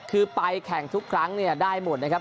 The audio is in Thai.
คือไปแข่งทุกครั้งเนี่ยได้หมดนะครับ